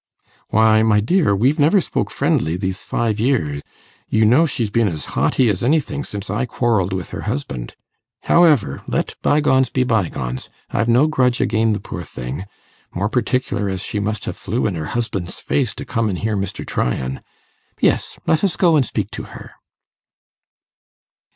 'Why, my dear, we've never spoke friendly these five year. You know she's been as haughty as anything since I quarrelled with her husband. However, let bygones be bygones: I've no grudge again' the poor thing, more particular as she must ha' flew in her husband's face to come an' hear Mr. Tryan. Yes, let us go an' speak to her.